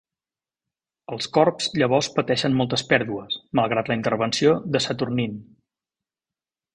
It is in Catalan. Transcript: Els Corps llavors pateixen moltes pèrdues, malgrat la intervenció de Saturnyne.